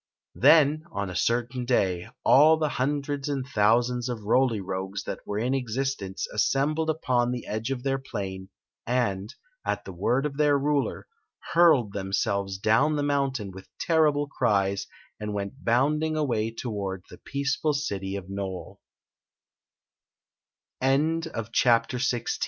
Then, on a certain day, all the hundreds and thou sands of Roly Rogues that were in existence assem • bled upon the edge of their plain, and, at the word of their ruler, hurled themselves down the mountain with terrible cries and went bounding away toward the peaceful city of Nole. Chapter XVII.